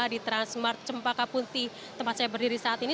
di transmart cempaka putih tempat saya berdiri saat ini